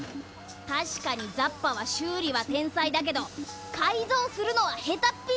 たしかにザッパはしゅうりはてんさいだけどかいぞうするのはへたっぴぃ